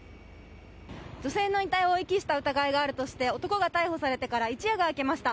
女性の遺体を遺棄した疑いがあるとして男が逮捕されてから一夜が明けました。